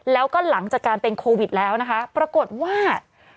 แล้วก็หลังจากการเป็นโควิดแล้วนะคะปรากฏว่า